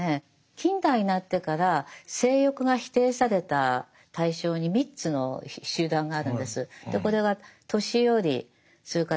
近代になってから性欲が否定された対象に３つの集団があるんです。